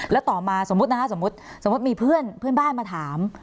แล้วต่อมาสมมุตินะคะสมมุติสมมุติมีเพื่อนบ้านมาถาม